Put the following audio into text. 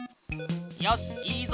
よしいいぞ。